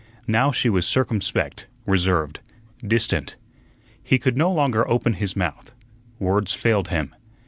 Now she was circumspect, reserved, distant. He could no longer open his mouth; words failed him.